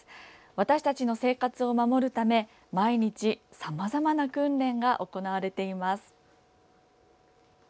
私たちの生活を守るため毎日さまざまな訓練が行われています。